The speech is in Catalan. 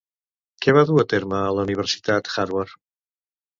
Què va dur a terme a la Universitat Harvard?